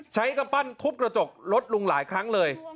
กำปั้นทุบกระจกรถลุงหลายครั้งเลย